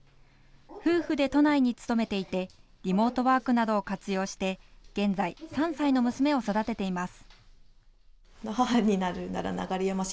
夫婦で都内に勤めていてリモートワークなどを活用して現在、３歳の娘を育てています。